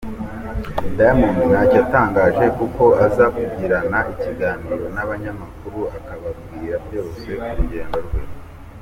Diamond ntacyo yatangaje kuko aza kugirana ikiganiro n’abanyamakuru akababwira byose ku rugendo rwe.